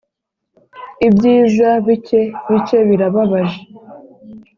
ibyiza bike - bike birababaje